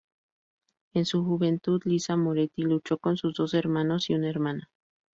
En su juventud, Lisa Moretti luchó con sus dos hermanos y una hermana.